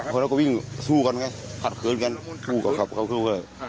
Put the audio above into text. เขาก็วิ่งสู้กันไงขัดเขินกัน